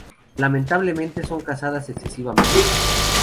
Lamentablemente son cazadas extensivamente.